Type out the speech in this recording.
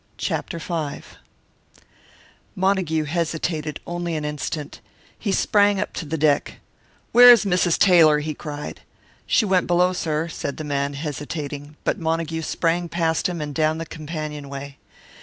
CHAPTER V Montague hesitated only an instant. He sprang up to the deck. "Where is Mrs. Taylor?" he cried. "She went below, sir," said the man, hesitating; but Montague sprang past him and down the companionway.